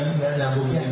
kok umatnya bukan ini